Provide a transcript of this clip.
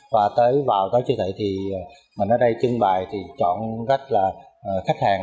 và tới vào tối chứa thị thì mình ở đây trưng bài thì chọn cách là khách hàng